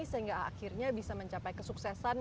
sehingga akhirnya bisa mencapai kesuksesan